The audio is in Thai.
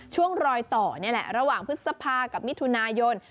ช่วงรอยต่อนี่แหละระหว่างพฤษภากับมิถุนายน